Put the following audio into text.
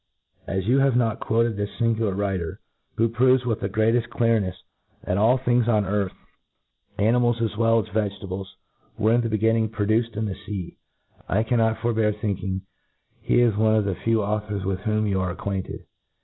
As you have not quoted this fingular writer, who proves, with* the ' greateft clcarnels, that all things on earth, ani Q mals i8 P It E F A C E. mals as well as vegetables, were in the beginning produced in the fea, I cannot forbear think ing he is one of the few authors with whom you are unacquainted.